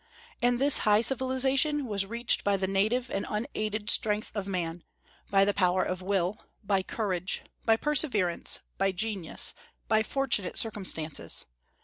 And this high civilization was reached by the native and unaided strength of man; by the power of will, by courage, by perseverance, by genius, by fortunate circumstances.